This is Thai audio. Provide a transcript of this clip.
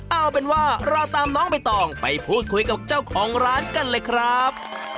เอาเป็นว่าเราตามน้องใบตองไปพูดคุยกับเจ้าของร้านกันเลยครับ